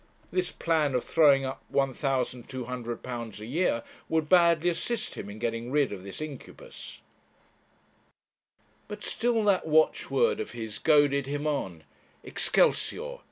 This plan of throwing up £1,200 a year would badly assist him in getting rid of this incubus. But still that watchword of his goaded him on 'Excelsior!'